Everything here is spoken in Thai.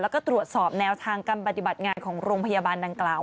และตรวจสอบแนวทางการกรรมบัติบัตรงานของโรงพยาบาลดังกล้าว